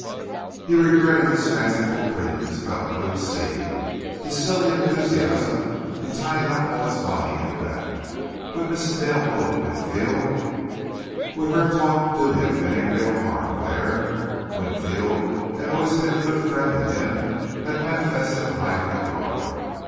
He regretted his fanciful dreams about Blue Sea his silly enthusiasm in tying up all his money in that. Would Mrs. Dale go to Winfield? Would her talk do him any real harm there? Winfield had always been a good friend to him, had manifested a high regard.